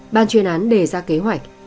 ban chuyên án đề ra kế hoạch